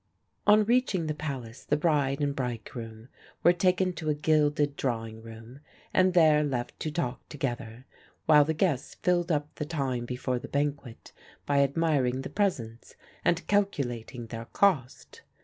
On reaching the Palace the bride and bridegroom were taken to a gilded drawing room, and there left to talk together, while the guests filled up the time before the banquet by admiring the presents and calculating their cost.